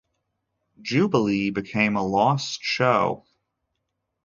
"Jubilee" became a lost show.